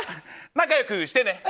仲良くしてね！